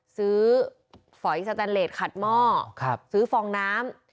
ฝอยสแตนเลสขัดหม้อซื้อฟองน้ำ